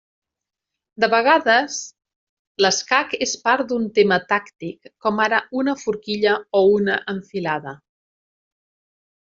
De vedades l'escac és part d'un tema tàctic com ara una forquilla, o una enfilada.